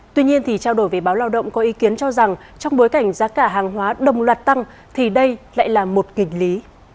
tuy nhiên thì trao đổi với báo lao động có ý kiến cho rằng trong bối cảnh giá cả hàng hóa đồng loạt tăng thì đây lại là một nghịch lý